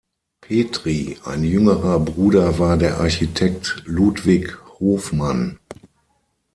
Petry, ein jüngerer Bruder war der Architekt Ludwig Hofmann.